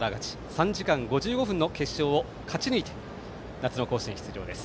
３時間５５分の決勝を勝ち抜いて夏の甲子園出場です。